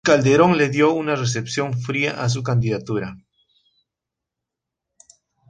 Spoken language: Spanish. Calderón le dio una recepción fría a su candidatura.